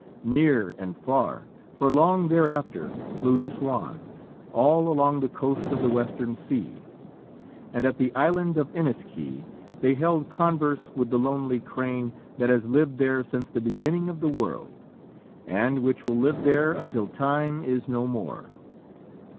Near and far, for long thereafter, flew the swans, all along the coast of the Western Sea, and at the island of Iniskea they held converse with the lonely crane that has lived there since the beginning of the world, and which will live there until time is no more.